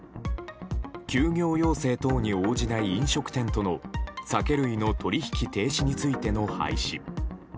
休業要請等に応じない飲食店との酒類の取引停止についての廃止。